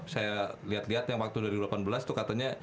saya lihat lihat yang waktu dari dua ribu delapan belas tuh katanya